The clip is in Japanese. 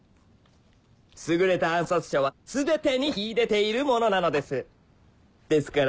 優れた暗殺者はすべてに秀でているものなのですですから